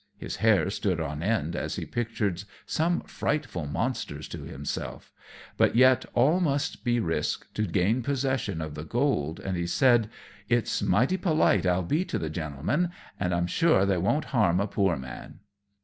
His hair stood on end as he pictured some frightful monsters to himself; but yet all must be risked to gain possession of the gold, and he said, "It's mighty polite I'll be to the gintlemen, and sure they won't harm a poor man."